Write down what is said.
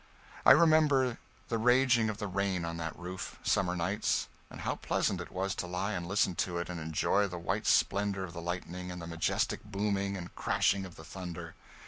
I remember the raging of the rain on that roof, summer nights, and how pleasant it was to lie and listen to it, and enjoy the white splendor of the lightning and the majestic booming and crashing of the thunder.